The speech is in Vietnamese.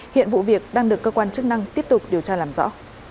hiện vụ việc đang được cơ quan chức năng tiếp tục điều tra làm rõ